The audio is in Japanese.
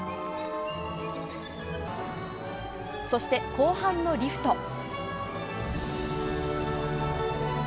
そして、後半のリフト。